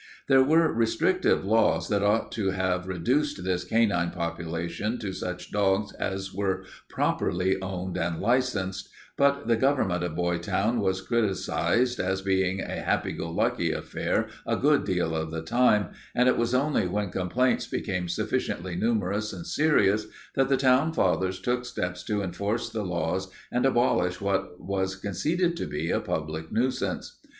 There were restrictive laws that ought to have reduced this canine population to such dogs as were properly owned and licensed, but the government of Boytown was criticized as being a happy go lucky affair a good deal of the time, and it was only when complaints became sufficiently numerous and serious that the town fathers took steps to enforce the laws and abolish what was conceded to be a public nuisance.